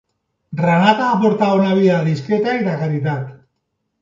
Renata va portar una vida discreta i de caritat.